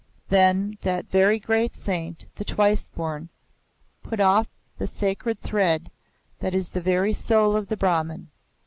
Then that very great saint, the Twice Born, put off the sacred thread that is the very soul of the Brahman.